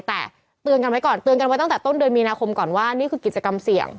ตื่นกันไว้ตั้งแต่ต้นเดือนมีนาคมก่อนว่านี่คือกิจกรรมเสี่ยง